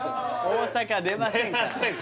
大阪出ない？